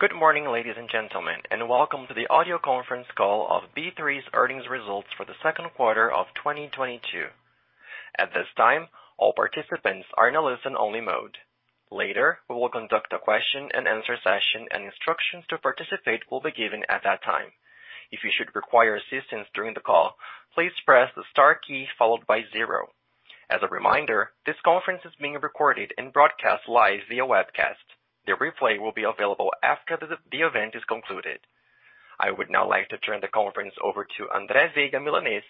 Good morning, ladies and gentlemen, and welcome to the Audio Conference Call of B3's Earnings Results for the Second Quarter of 2022. At this time, all participants are in a listen-only mode. Later, we will conduct a question-and-answer session, and instructions to participate will be given at that time. If you should require assistance during the call, please press the star key followed by zero. As a reminder, this conference is being recorded and broadcast live via webcast. The replay will be available after the event is concluded. I would now like to turn the conference over to André Veiga Milanez,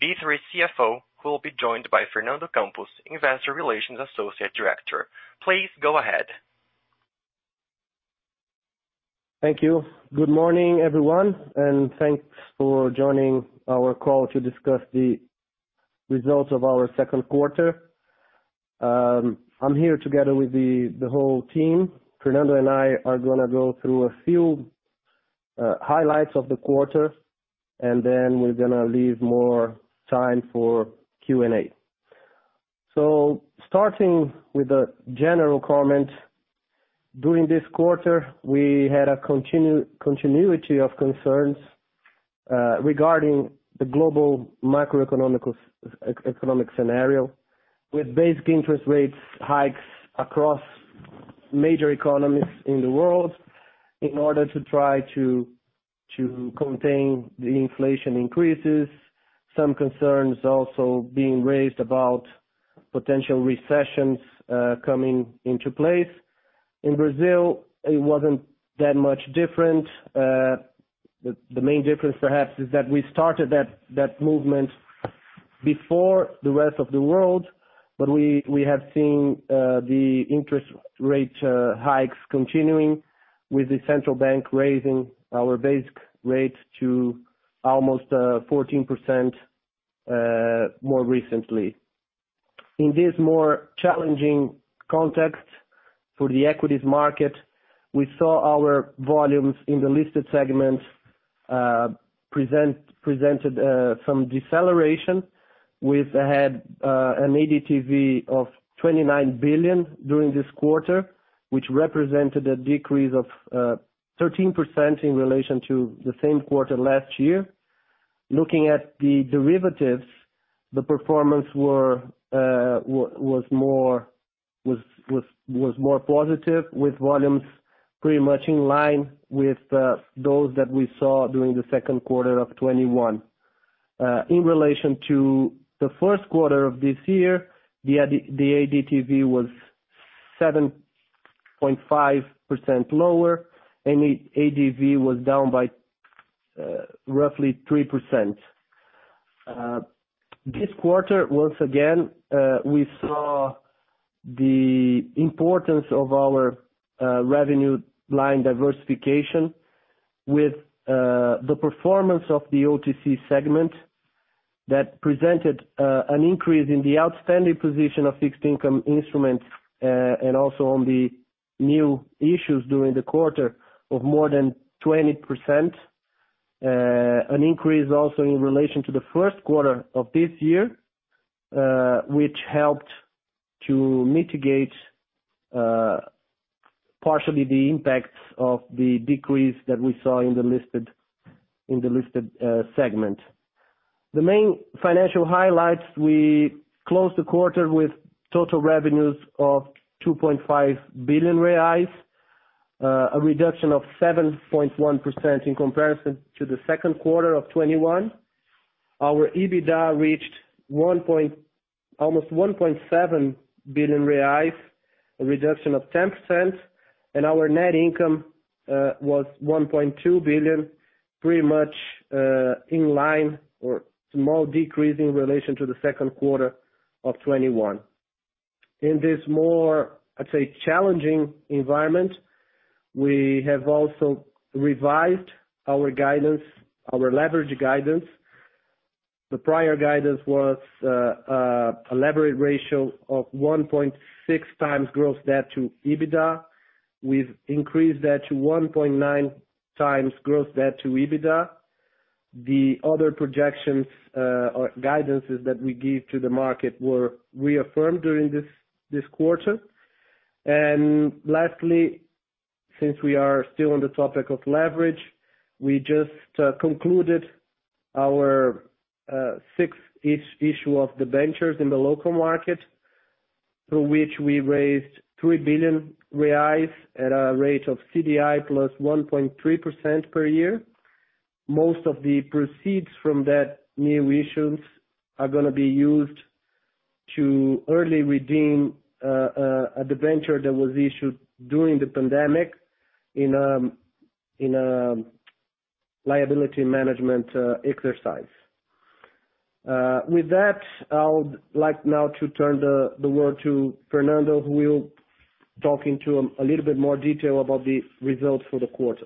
B3 CFO, who will be joined by Fernando Campos, Investor Relations Associate Director. Please go ahead. Thank you. Good morning, everyone, and thanks for joining our call to discuss the results of our second quarter. I'm here together with the whole team. Fernando and I are gonna go through a few highlights of the quarter, and then we're gonna leave more time for Q&A. Starting with a general comment. During this quarter, we had a continuity of concerns regarding the global macroeconomic scenario, with base interest rate hikes across major economies in the world in order to try to contain the inflation increases. Some concerns also being raised about potential recessions coming into place. In Brazil, it wasn't that much different. The main difference perhaps is that we started that movement before the rest of the world, but we have seen the interest rate hikes continuing with the central bank raising our basic rate to almost 14%, more recently. In this more challenging context for the equities market, we saw our volumes in the listed segment presented some deceleration. We've had an ADTV of 29 billion during this quarter, which represented a decrease of 13% in relation to the same quarter last year. Looking at the derivatives, the performance was more positive with volumes pretty much in line with those that we saw during the second quarter of 2021. In relation to the first quarter of this year, the ADTV was 7.5% lower, and the ADV was down by roughly 3%. This quarter, once again, we saw the importance of our revenue line diversification with the performance of the OTC segment that presented an increase in the outstanding position of fixed income instruments, and also on the new issues during the quarter of more than 20%. An increase also in relation to the first quarter of this year, which helped to mitigate partially the impacts of the decrease that we saw in the listed segment. The main financial highlights, we closed the quarter with total revenues of 2.5 billion reais, a reduction of 7.1% in comparison to the second quarter of 2021. Our EBITDA reached almost 1.7 billion reais, a reduction of 10%, and our net income was 1.2 billion, pretty much in line or small decrease in relation to the second quarter of 2021. In this more, I'd say, challenging environment, we have also revised our guidance, our leverage guidance. The prior guidance was a leverage ratio of 1.6x gross debt to EBITDA. We've increased that to 1.9x gross debt to EBITDA. The other projections or guidances that we give to the market were reaffirmed during this quarter. Lastly, since we are still on the topic of leverage, we just concluded our sixth issue of the debentures in the local market, through which we raised 3 billion reais at a rate of CDI +1.3% per year. Most of the proceeds from that new issue are gonna be used to early redeem a debenture that was issued during the pandemic in a liability management exercise. With that, I would like now to turn the word to Fernando, who will talk in a little bit more detail about the results for the quarter.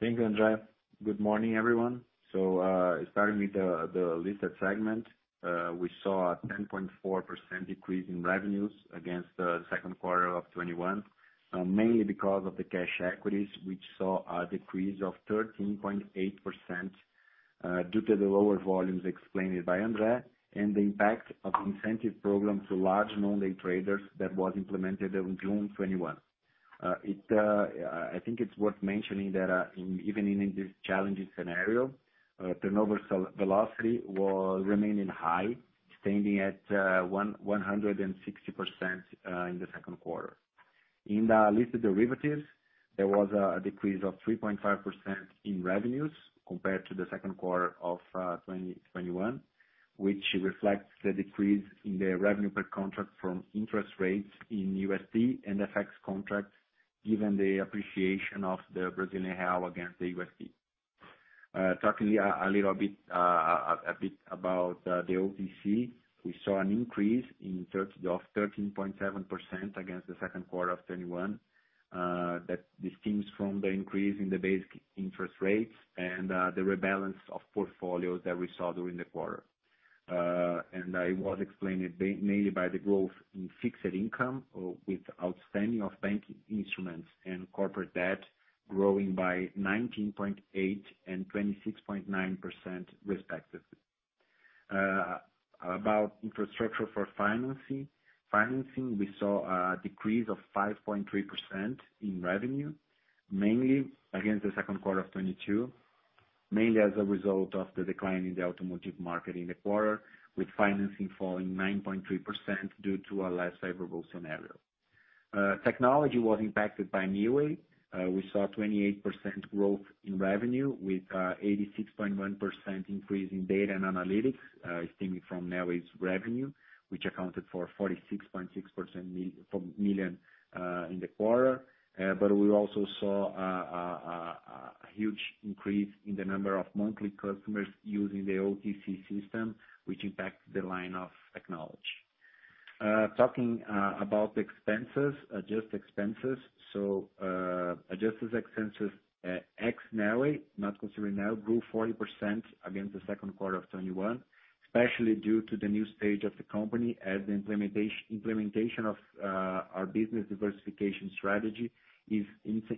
Thank you, André. Good morning, everyone. Starting with the listed segment, we saw a 10.4% decrease in revenues against the second quarter of 2021, mainly because of the cash equities, which saw a decrease of 13.8%. Due to the lower volumes explained by André, and the impact of incentive programs to large and loyal traders that was implemented on June 2021. I think it's worth mentioning that, even in this challenging scenario, turnover velocity was remaining high, standing at 160%, in the second quarter. In the listed derivatives, there was a decrease of 3.5% in revenues compared to the second quarter of 2021, which reflects the decrease in the revenue per contract from interest rates in USD and FX contracts, given the appreciation of the Brazilian real against the USD. Talking a little bit about the OTC, we saw an increase of 13.7% against the second quarter of 2021, that this stems from the increase in the basic interest rates and the rebalance of portfolios that we saw during the quarter. It was explained mainly by the growth in fixed income or with outstanding of bank instruments and corporate debt growing by 19.8% and 26.9% respectively. About infrastructure for financing, we saw a decrease of 5.3% in revenue, mainly against the second quarter of 2022, mainly as a result of the decline in the automotive market in the quarter, with financing falling 9.3% due to a less favorable scenario. Technology was impacted by Neoway. We saw 28% growth in revenue with 86.1% increase in data and analytics stemming from Neoway's revenue, which accounted for 46.6 million in the quarter. We also saw a huge increase in the number of monthly customers using the OTC system, which impacted the line of technology. Talking about the expenses, adjusted expenses. Adjusted expenses ex Neoway, not considering Neoway, grew 40% against the second quarter of 2021, especially due to the new stage of the company as the implementation of our business diversification strategy is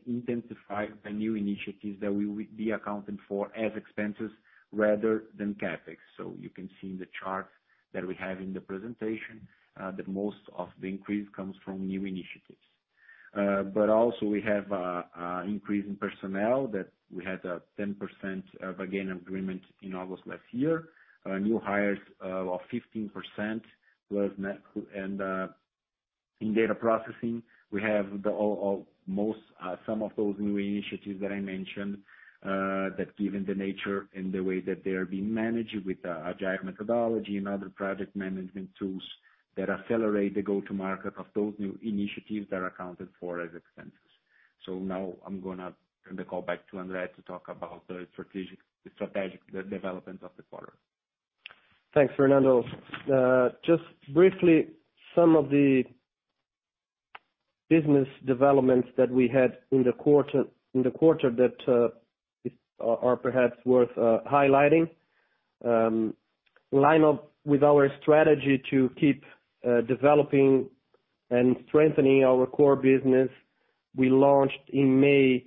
intensified by new initiatives that we will be accounting for as expenses rather than CapEx. You can see in the chart that we have in the presentation that most of the increase comes from new initiatives. But also we have increase in personnel that we had a 10% wage agreement in August last year. New hires of 15% was net. In data processing, we have some of those new initiatives that I mentioned that given the nature and the way that they are being managed with agile methodology and other project management tools that accelerate the go-to-market of those new initiatives that are accounted for as expenses. Now I'm gonna turn the call back to André to talk about the strategic development of the quarter. Thanks, Fernando. Just briefly, some of the business developments that we had in the quarter that are perhaps worth highlighting. Line up with our strategy to keep developing and strengthening our core business. We launched in May,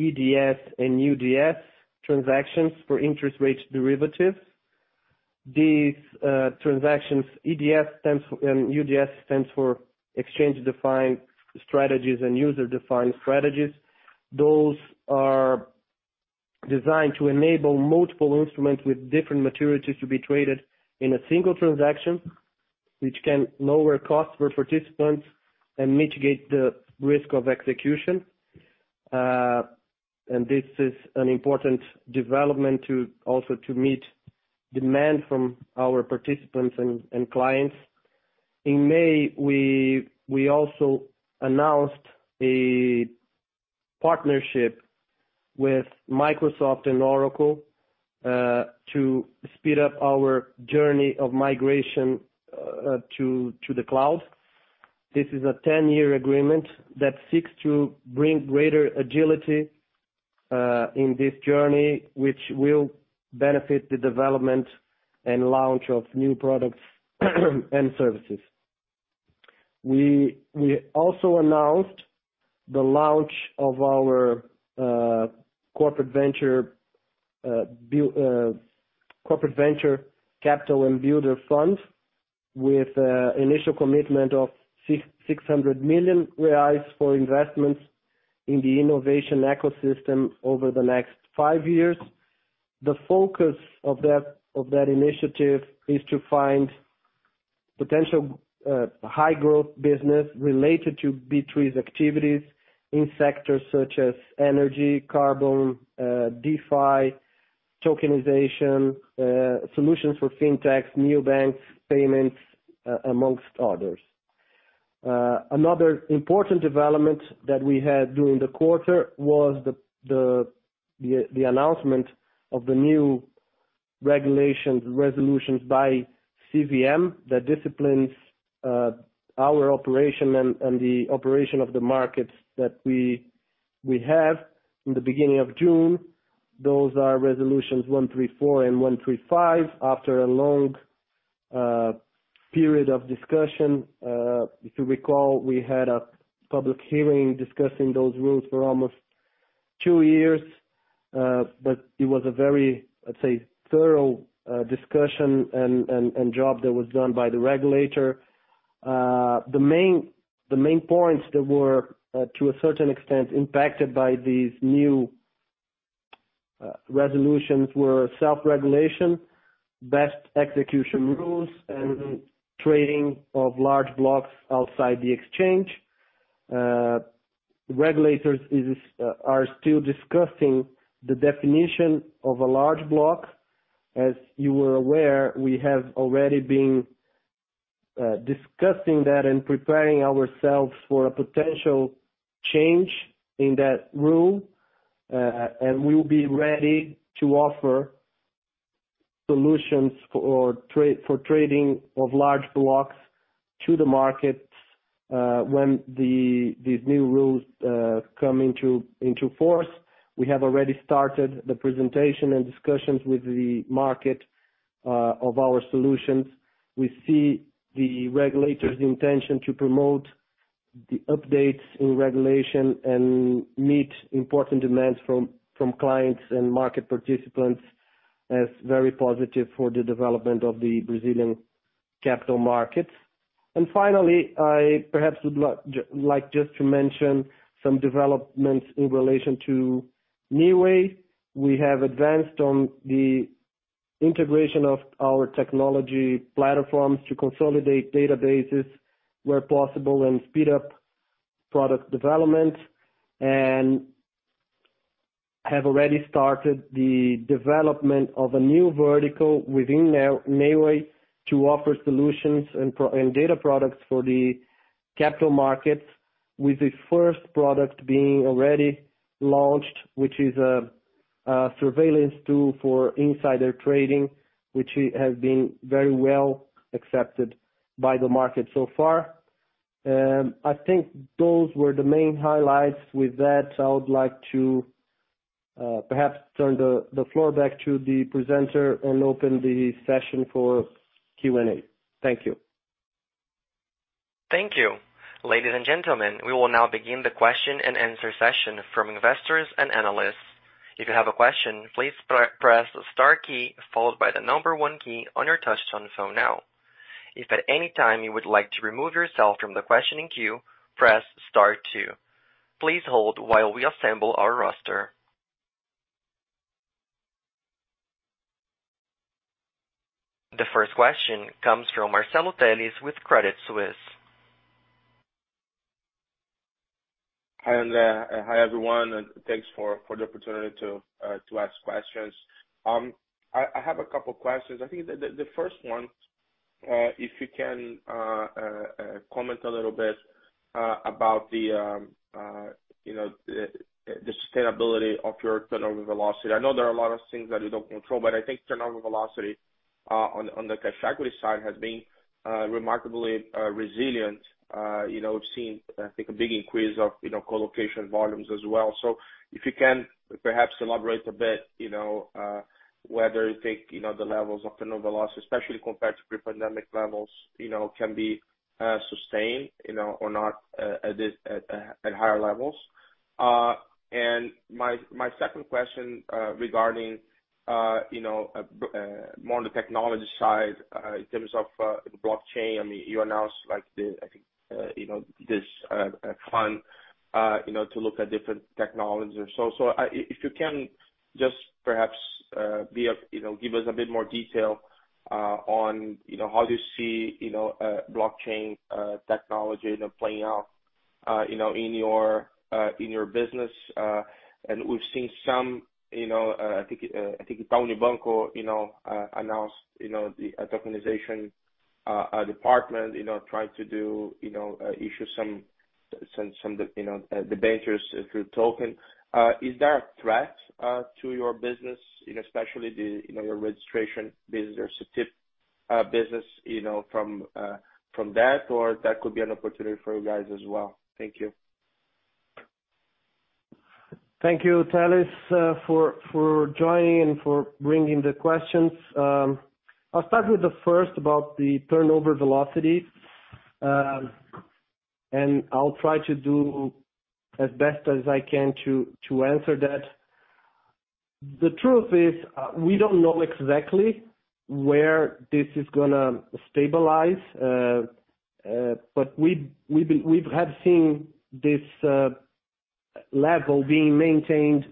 EDS and UDS transactions for interest rate derivatives. These transactions, EDS stands and UDS stands for Exchange Defined Strategies and User Defined Strategies. Those are designed to enable multiple instruments with different maturities to be traded in a single transaction, which can lower costs for participants and mitigate the risk of execution. This is an important development to also meet demand from our participants and clients. In May, we also announced a partnership with Microsoft and Oracle to speed up our journey of migration to the cloud. This is a 10-year agreement that seeks to bring greater agility in this journey, which will benefit the development and launch of new products and services. We also announced the launch of our corporate venture capital and builder fund with initial commitment of 600 million reais for investments in the innovation ecosystem over the next five years. The focus of that initiative is to find potential high growth business related to B3's activities in sectors such as energy, carbon, DeFi, tokenization, solutions for fintech, new banks, payments, among others. Another important development that we had during the quarter was the announcement of the new regulations, resolutions by CVM that disciplines our operation and the operation of the markets that we have in the beginning of June. Those are Resolutions 134 and 135 after a long period of discussion. If you recall, we had a public hearing discussing those rules for almost two years, but it was a very, let's say, thorough discussion and job that was done by the regulator. The main points that were, to a certain extent, impacted by these new resolutions were self-regulation, best execution rules, and trading of large blocks outside the exchange. Regulators are still discussing the definition of a large block. As you were aware, we have already been discussing that and preparing ourselves for a potential change in that rule. We will be ready to offer solutions for trading of large blocks to the market when these new rules come into force. We have already started the presentation and discussions with the market of our solutions. We see the regulators' intention to promote the updates in regulation and meet important demands from clients and market participants as very positive for the development of the Brazilian capital markets. Finally, I perhaps would like just to mention some developments in relation to Neoway. We have advanced on the integration of our technology platforms to consolidate databases where possible and speed up product development, and have already started the development of a new vertical within Neoway to offer solutions and data products for the capital markets, with the first product being already launched which is a surveillance tool for insider trading which has been very well accepted by the market so far. I think those were the main highlights. With that, I would like to perhaps turn the floor back to the presenter and open the session for Q&A. Thank you. Thank you. Ladies and gentlemen, we will now begin the question and answer session from investors and analysts. If you have a question, please press the star key followed by the number one key on your touchtone phone now. If at any time you would like to remove yourself from the questioning queue, press star two. Please hold while we assemble our roster. The first question comes from Marcelo Telles with Credit Suisse. Hi André, hi everyone, and thanks for the opportunity to ask questions. I have a couple questions. I think the first one, if you can comment a little bit about, you know, the sustainability of your turnover velocity. I know there are a lot of things that you don't control, but I think turnover velocity on the cash equity side has been remarkably resilient. You know, we've seen, I think, a big increase of co-location volumes as well. So if you can perhaps elaborate a bit, you know, whether you think, you know, the levels of turnover velocity, especially compared to pre-pandemic levels, you know, can be sustained, you know, or not, at higher levels. My second question, regarding you know, more on the technology side, in terms of blockchain. I mean, you announced like the, I think, you know, this fund, you know, to look at different technologies or so. If you can just perhaps, give us a bit more detail, on you know, how you see, you know, blockchain technology, you know, playing out, you know, in your business. We've seen some, you know, I think Itaú Unibanco, you know, announced a tokenization department, you know, trying to do, you know, issue some debentures through token. Is there a threat to your business, you know, especially the, you know, your registration business or Cetip business, you know, from that, or that could be an opportunity for you guys as well? Thank you. Thank you, Telles, for joining and for bringing the questions. I'll start with the first about the turnover velocity. I'll try to do as best as I can to answer that. The truth is, we don't know exactly where this is gonna stabilize. But we've seen this level being maintained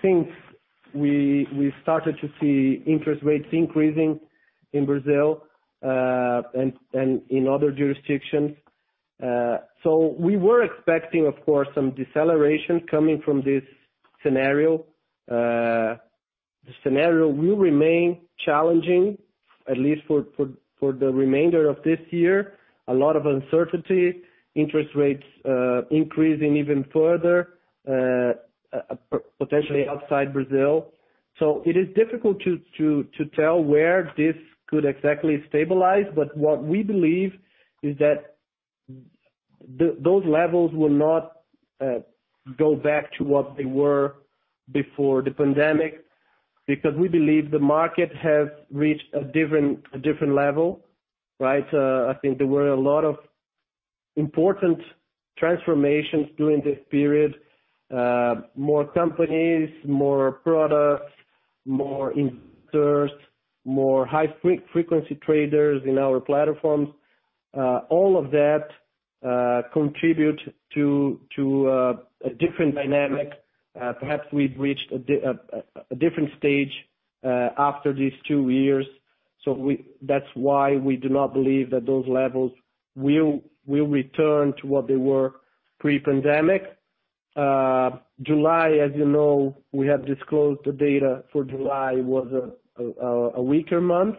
since we started to see interest rates increasing in Brazil, and in other jurisdictions. We were expecting, of course, some deceleration coming from this scenario. The scenario will remain challenging, at least for the remainder of this year. A lot of uncertainty, interest rates increasing even further, potentially outside Brazil. It is difficult to tell where this could exactly stabilize, but what we believe is that those levels will not go back to what they were before the pandemic because we believe the market has reached a different level, right? I think there were a lot of important transformations during this period. More companies, more products, more investors, more high-frequency traders in our platforms. All of that contribute to a different dynamic. Perhaps we've reached a different stage after these two year. That's why we do not believe that those levels will return to what they were pre-pandemic. July, as you know, we have disclosed the data for July was a weaker month.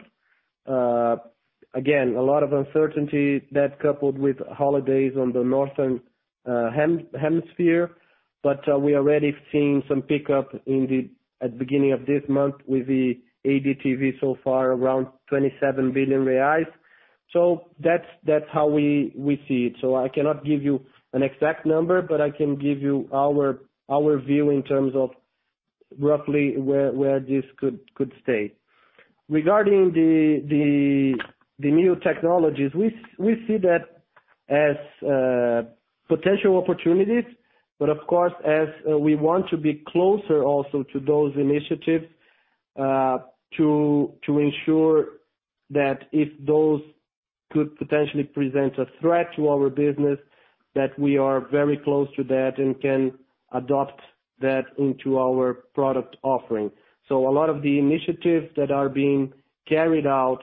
Again, a lot of uncertainty that coupled with holidays on the northern hemisphere, but we're already seeing some pickup at beginning of this month with the ADTV so far around 27 billion reais. That's how we see it. I cannot give you an exact number, but I can give you our view in terms of roughly where this could stay. Regarding the new technologies, we see that as potential opportunities. Of course, as we want to be closer also to those initiatives, to ensure that if those could potentially present a threat to our business, that we are very close to that and can adopt that into our product offering. A lot of the initiatives that are being carried out,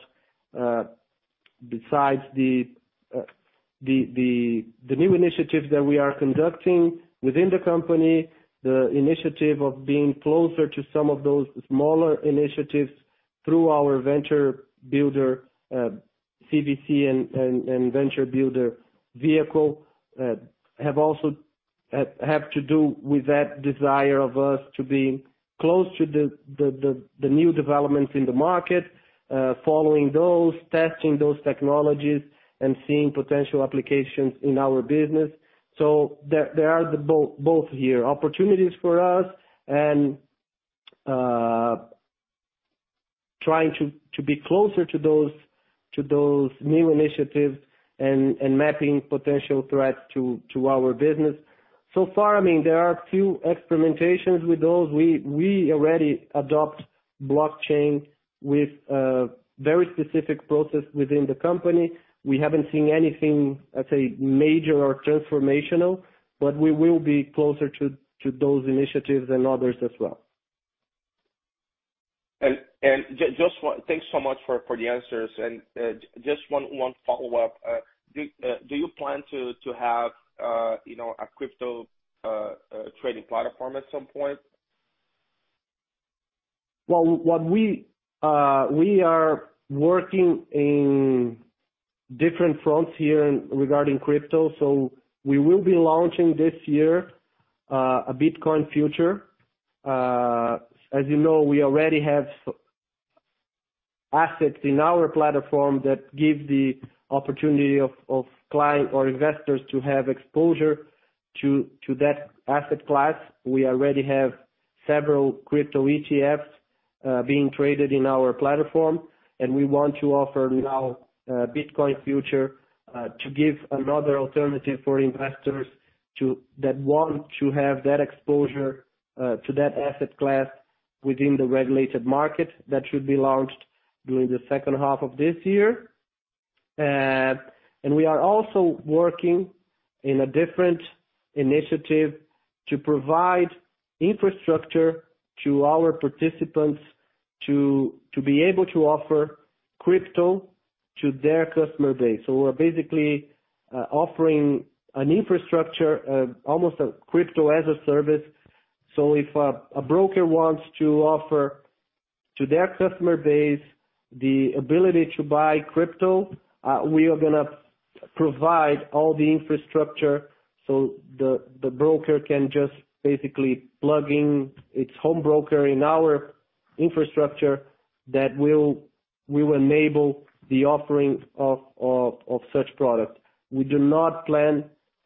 besides the new initiatives that we are conducting within the company, the initiative of being closer to some of those smaller initiatives through our venture builder, CVC and venture builder vehicle have also to do with that desire of us to be close to the new developments in the market, following those, testing those technologies and seeing potential applications in our business. There are both here, opportunities for us and trying to be closer to those new initiatives and mapping potential threats to our business. So far, I mean, there are a few experimentations with those. We already adopt blockchain with very specific process within the company. We haven't seen anything, let's say, major or transformational, but we will be closer to those initiatives and others as well. Just one. Thanks so much for the answers. Just one follow-up. Do you plan to have, you know, a crypto trading platform at some point? We are working on different fronts here regarding crypto, so we will be launching this year a Bitcoin future. As you know, we already have assets in our platform that give the opportunity for clients or investors to have exposure to that asset class. We already have several crypto ETFs being traded in our platform, and we want to offer now Bitcoin future to give another alternative for investors that want to have that exposure to that asset class within the regulated market. That should be launched during the second half of this year. We are also working on a different initiative to provide infrastructure to our participants to be able to offer crypto to their customer base. We're basically offering an infrastructure almost a crypto-as-a-service. If a broker wants to offer to their customer base the ability to buy crypto, we are gonna provide all the infrastructure so the broker can just basically plug in its home broker in our infrastructure that will enable the offering of such product. We do not plan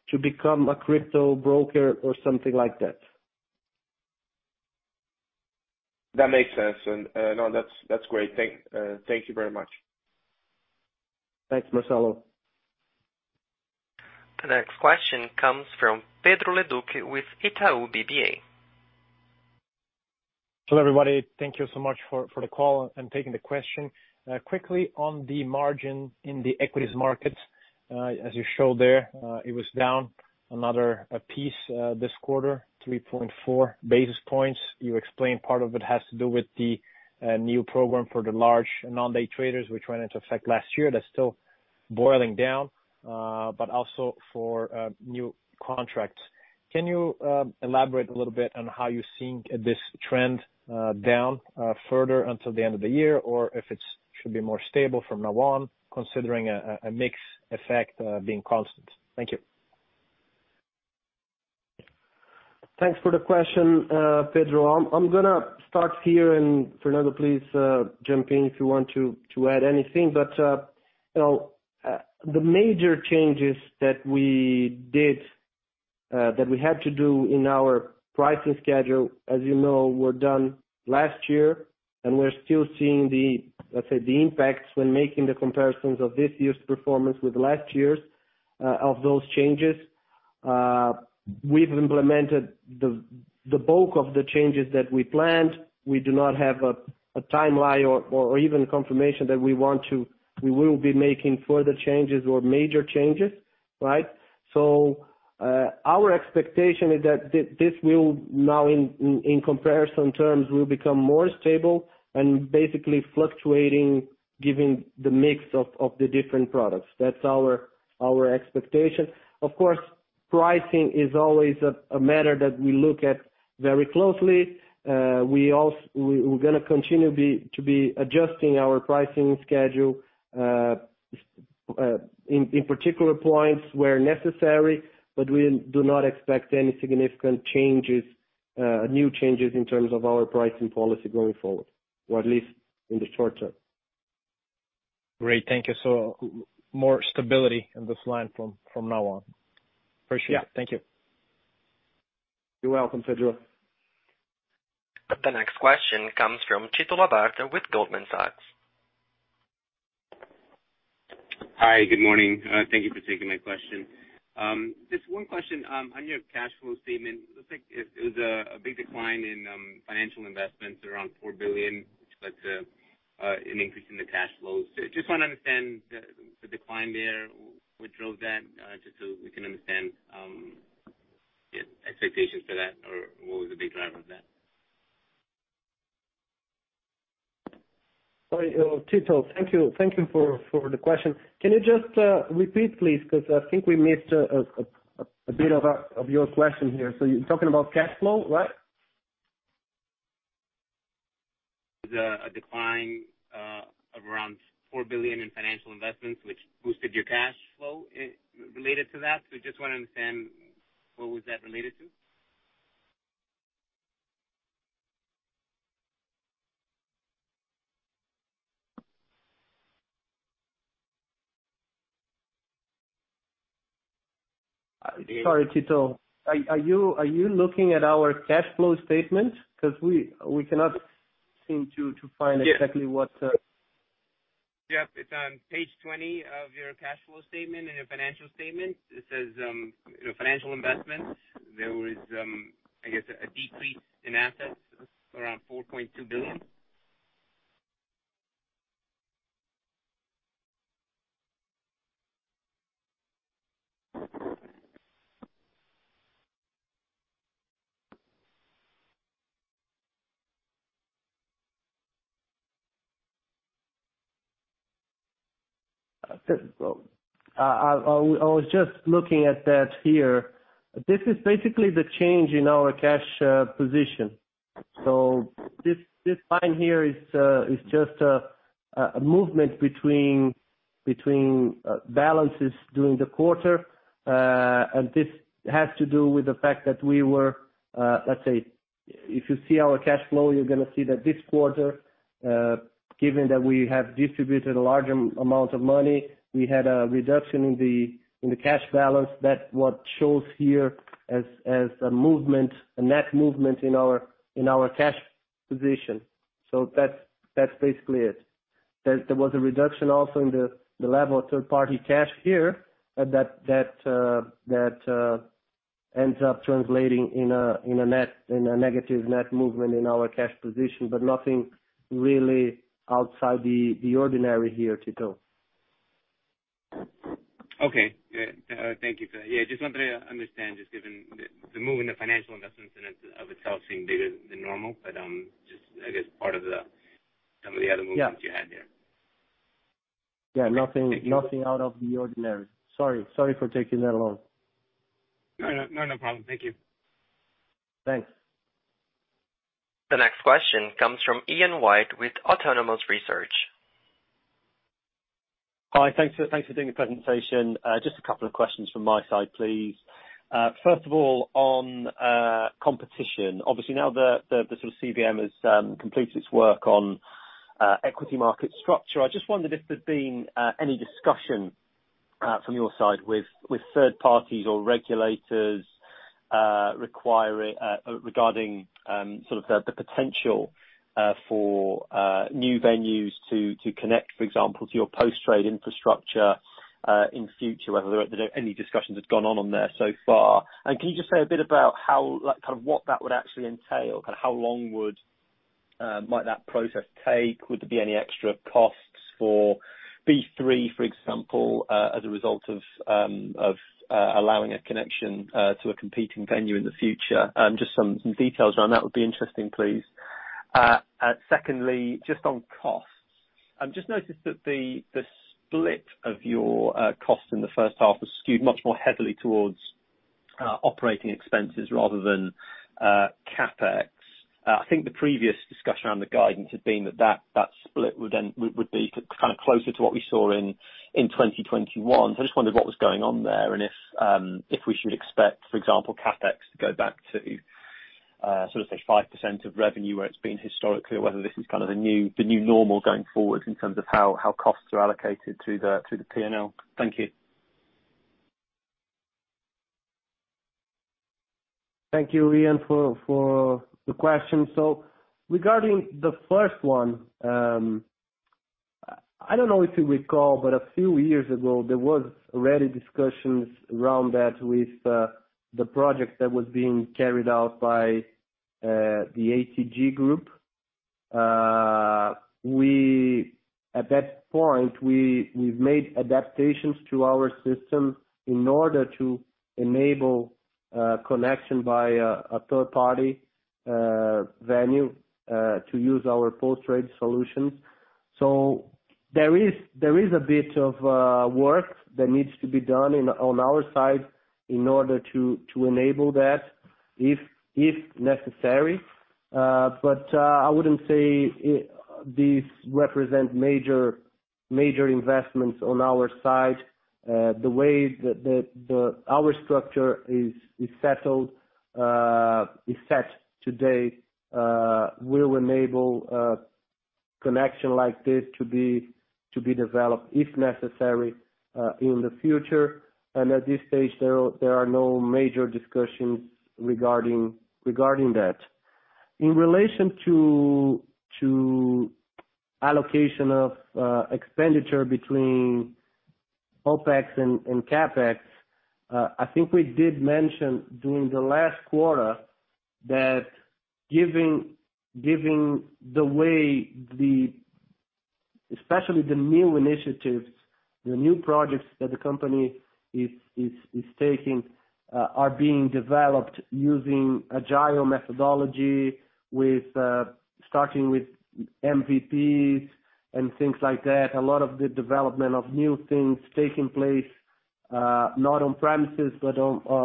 to become a crypto broker or something like that. That makes sense. No, that's great. Thank you very much. Thanks, Marcelo. The next question comes from Pedro Leduc with Itaú BBA. Hello, everybody. Thank you so much for the call and taking the question. Quickly on the margin in the equities markets, as you showed there, it was down another piece this quarter, 3.4 basis points. You explained part of it has to do with the new program for the large non-day traders which went into effect last year. That's still boiling down, but also for new contracts. Can you elaborate a little bit on how you're seeing this trend down further until the end of the year, or if it should be more stable from now on, considering a mix effect being constant? Thank you. Thanks for the question, Pedro. I'm gonna start here, and Fernando please, jump in if you want to add anything. You know, the major changes that we did, that we had to do in our pricing schedule, as you know, were done last year, and we're still seeing the, let's say, the impacts when making the comparisons of this year's performance with last year's, of those changes. We've implemented the bulk of the changes that we planned. We do not have a timeline or even confirmation that we will be making further changes or major changes, right? Our expectation is that this will now in comparison terms, will become more stable and basically fluctuating given the mix of the different products. That's our expectation. Of course, pricing is always a matter that we look at very closely. We're gonna continue to be adjusting our pricing schedule in particular points where necessary, but we do not expect any significant changes, new changes in terms of our pricing policy going forward, or at least in the short term. Great. Thank you. More stability in this line from now on. Appreciate it. Yeah. Thank you. You're welcome, Pedro. The next question comes from Tito Labarta with Goldman Sachs. Hi, good morning. Thank you for taking my question. Just one question. On your cash flow statement, looks like it was a big decline in financial investments around 4 billion, which led to an increase in the cash flows. Just wanna understand the decline there, what drove that, just so we can understand the expectations for that or what was the big driver of that? Sorry, Tito. Thank you. Thank you for the question. Can you just repeat, please? 'Cause I think we missed a bit of your question here. You're talking about cash flow, right? The decline, around 4 billion, in financial investments, which boosted your cash flow related to that. Just wanna understand what was that related to. Sorry, Tito. Are you looking at our cash flow statement? 'Cause we cannot seem to find- Yes. exactly what Yeah. It's on page 20 of your cash flow statement in your financial statement. It says, you know, financial investments. There is, I guess a decrease in assets around 4.2 billion. I was just looking at that here. This is basically the change in our cash position. This line here is just a movement between balances during the quarter. This has to do with the fact that we were, let's say if you see our cash flow, you're gonna see that this quarter, given that we have distributed a large amount of money, we had a reduction in the cash balance. That's what shows here as a movement, a net movement in our cash position. That's basically it. There was a reduction also in the level of third party cash here that ends up translating in a negative net movement in our cash position, but nothing really outside the ordinary here, Tito. Okay. Yeah. Thank you, sir. Yeah, just wanted to understand, just given the move in the financial investments in and of itself seemed bigger than normal, but just I guess part of some of the other movements. Yeah. You had there. Yeah. Thank you. Nothing out of the ordinary. Sorry for taking that long. No. No problem. Thank you. Thanks. The next question comes from Ian White with Autonomous Research. Hi. Thanks for doing the presentation. Just a couple of questions from my side, please. First of all, on competition. Obviously now the sort of CVM has completed its work on equity market structure. I just wondered if there'd been any discussion from your side with third parties or regulators regarding sort of the potential for new venues to connect, for example, to your post-trade infrastructure in future? Whether there any discussions had gone on there so far. Can you just say a bit about how, like, kind of what that would actually entail? Kinda how long might that process take? Would there be any extra costs for B3, for example, as a result of allowing a connection to a competing venue in the future? Just some details around that would be interesting, please. Secondly, just on costs. I've just noticed that the split of your costs in the first half was skewed much more heavily towards operating expenses rather than CapEx. I think the previous discussion on the guidance had been that split would then be kind of closer to what we saw in 2021. I just wondered what was going on there and if we should expect, for example, CapEx to go back to, sort of say 5% of revenue where it's been historically, or whether this is kind of the new normal going forward in terms of how costs are allocated to the P&L. Thank you. Thank you, Ian, for the question. Regarding the first one, I don't know if you recall, but a few years ago, there was already discussions around that with the project that was being carried out by the ATG Group. At that point, we've made adaptations to our system in order to enable connection by a third party venue to use our post-trade solutions. There is a bit of work that needs to be done on our side in order to enable that if necessary. But I wouldn't say this represent major investments on our side. The way our structure is settled is set today will enable a connection like this to be developed if necessary in the future. At this stage, there are no major discussions regarding that. In relation to allocation of expenditure between OpEx and CapEx, I think we did mention during the last quarter that given the way... Especially the new initiatives, the new projects that the company is taking are being developed using agile methodology starting with MVPs and things like that. A lot of the development of new things taking place not on premises, but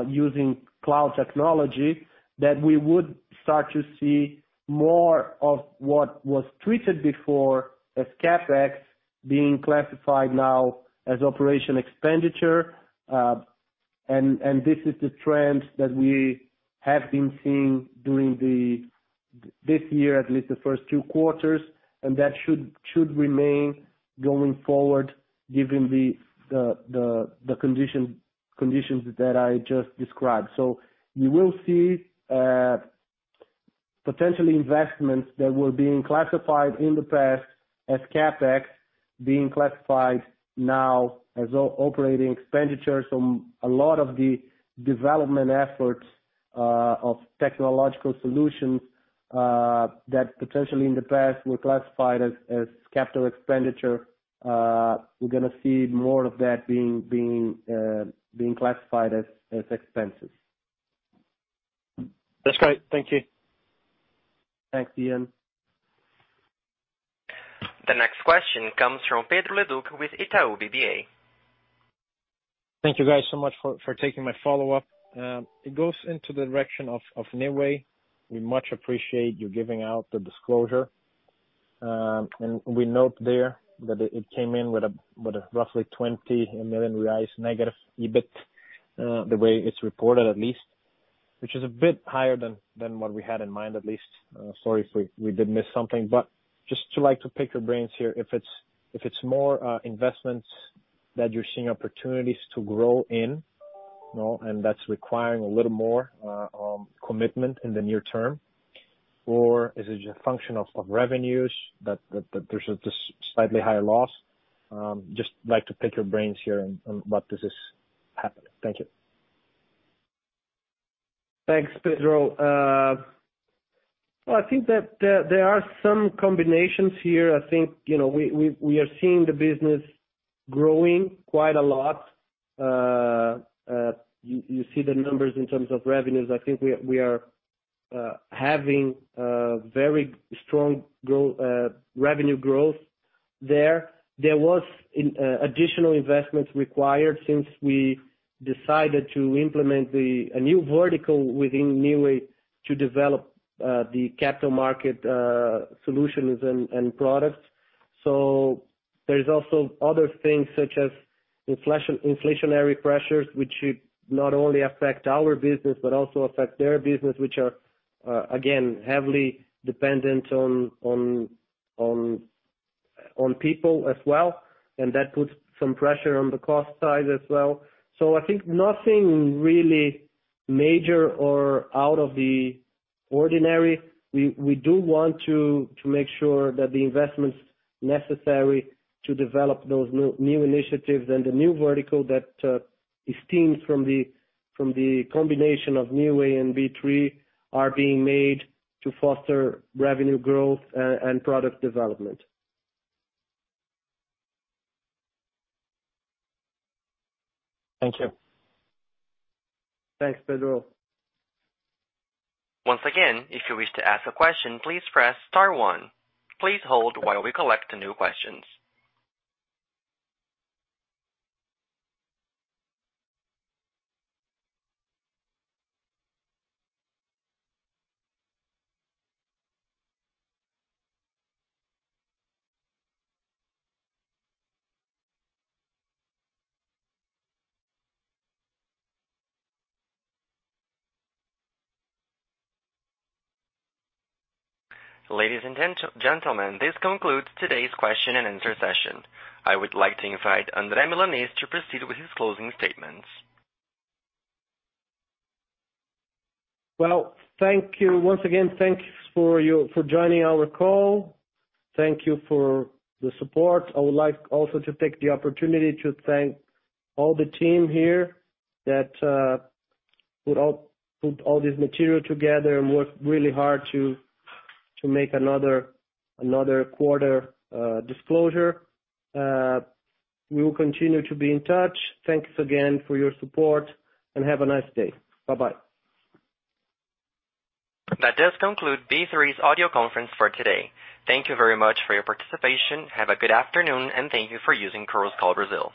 using cloud technology, that we would start to see more of what was treated before as CapEx being classified now as operating expenditure. This is the trend that we have been seeing during this year, at least the first two quarters, and that should remain going forward, given the conditions that I just described. You will see potential investments that were being classified in the past as CapEx being classified now as operating expenditures on a lot of the development efforts of technological solutions that potentially in the past were classified as capital expenditure. We're gonna see more of that being classified as expenses. That's great. Thank you. Thanks, Ian. The next question comes from Pedro Leduc with Itaú BBA. Thank you guys so much for taking my follow-up. It goes into the direction of Neoway. We much appreciate you giving out the disclosure. We note there that it came in with a roughly 20 million reais negative EBIT, the way it's reported at least, which is a bit higher than what we had in mind, at least. Sorry if we did miss something. Just like to pick your brains here, if it's more investments that you're seeing opportunities to grow in, you know, and that's requiring a little more commitment in the near term, or is it a function of revenues that there's a slightly higher loss? Just like to pick your brains here on what's happening. Thank you. Thanks, Pedro. Well, I think that there are some combinations here. I think, you know, we are seeing the business growing quite a lot. You see the numbers in terms of revenues. I think we are having very strong revenue growth there. There was additional investments required since we decided to implement a new vertical within Neoway to develop the capital market solutions and products. There's also other things such as inflationary pressures, which should not only affect our business but also affect their business, which are again heavily dependent on people as well, and that puts some pressure on the cost side as well. I think nothing really major or out of the ordinary. We do want to make sure that the investments necessary to develop those new initiatives and the new vertical that stems from the combination of Neoway and B3 are being made to foster revenue growth and product development. Thank you. Thanks, Pedro. Once again, if you wish to ask a question, please press star one. Please hold while we collect new questions. Ladies and gentlemen, this concludes today's question and answer session. I would like to invite André Milanez to proceed with his closing statements. Well, thank you. Once again, thanks for joining our call. Thank you for the support. I would like also to take the opportunity to thank all the team here that put all this material together and work really hard to make another quarter disclosure. We will continue to be in touch. Thanks again for your support and have a nice day. Bye-bye. That does conclude B3's audio conference for today. Thank you very much for your participation. Have a good afternoon, and thank you for using Chorus Call Brazil.